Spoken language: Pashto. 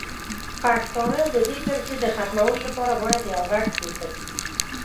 پښتانه د دې کرښې د ختمولو لپاره باید یو غږ راپورته کړي.